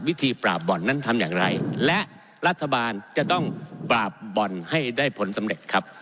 วิธีปราบบ่อนนั้นทำอย่างไรและรัฐบาลจะต้องปราบบ่อนให้ได้ผลสำเร็จครับ